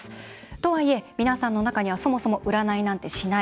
とはいえ、皆さんの中にはそもそも占いなんてしない